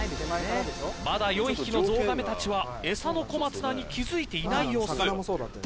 まだ４匹のゾウガメたちは餌の小松菜に気付いていない様子。